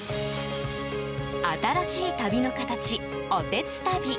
新しい旅の形、おてつたび。